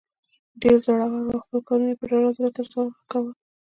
ډیر زړه ور وو او خپل کارونه یې په ډاډه زړه تر سره کول.